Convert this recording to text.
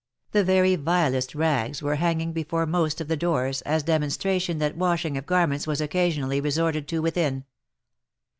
The very vilest rags were hanging before most of the doors, as demonstration that washing of garments was occasionally resorted to within.